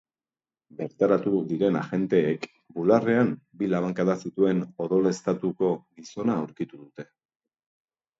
Bertaratu diren agenteek, bularrean bi labankada zituen odoleztatuko gizona aurkitu dute.